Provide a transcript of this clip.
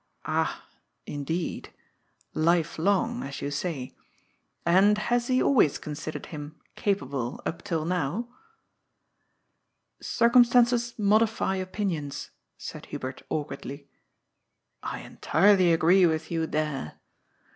" Ah ! Indeed. Life long, as you say. And has he al ways considered him capable up till now ?"" Circumstances modify opinions," said Hubert awk wardly. " I entirely agree with you there.